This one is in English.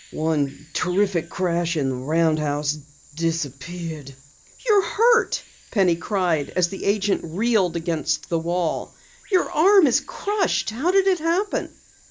One terrific crash and the roundhouse disappeared " "You're hurt," Penny cried as the agent reeled against the wall. "Your arm is crushed. How did it happen?"